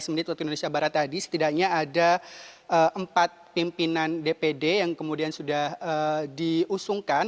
tiga belas menit waktu indonesia barat tadi setidaknya ada empat pimpinan dpd yang kemudian sudah diusungkan